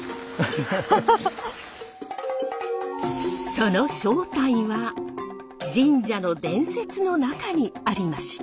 その正体は神社の伝説の中にありました。